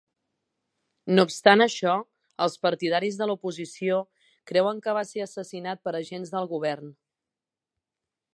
No obstant això, els partidaris de l'oposició creuen que va ser assassinat per agents del govern.